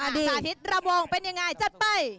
สาธิตลำวงเป็นอย่างไรจัดไป